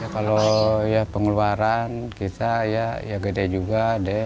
kalau pengeluaran kita ya gede juga